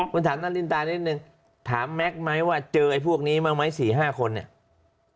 คุณถามนารินตานิดนึงถามแม็กซ์ไหมว่าเจอไอ้พวกนี้บ้างไหม๔๕คนเนี่ย